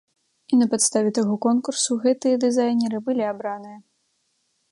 І на падставе таго конкурсу, гэтыя дызайнеры былі абраныя.